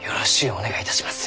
お願いいたします。